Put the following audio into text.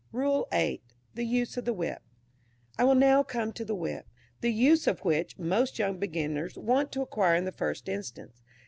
RULE VIII. THE USE OF THE WHIP. I will now come to the whip, the use of which, most young beginners want to acquire in the first instance.